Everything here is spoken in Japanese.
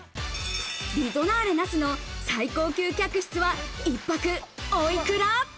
リゾナーレ那須の最高級客室は一泊おいくら？